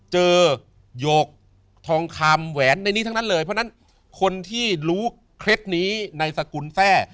โยกทองคำแหวนในนี้ทั้งนั้นเลยเพราะฉะนั้นคนที่รู้เคล็ดนี้ในสกุลแทร่